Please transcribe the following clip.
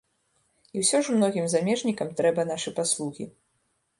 І ўсё ж многім замежнікам трэба нашы паслугі.